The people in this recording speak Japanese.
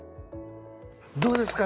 どうですか？